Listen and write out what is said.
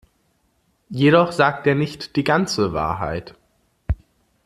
Jedoch sagt er nicht die ganze Wahrheit.